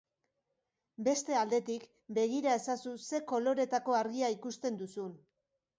Beste aldetik, begira ezazu ze koloretako argia ikusten duzun.